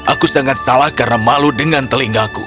aku sangat salah karena aku sangat malu dengan telingaku